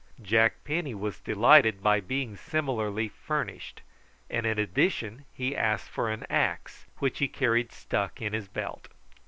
Jack Penny was delighted by being similarly furnished; and in addition he asked for an axe, which he carried stuck in his belt.